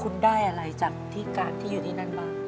คุณได้อะไรจากพี่กาดที่อยู่ที่นั่นบ้าง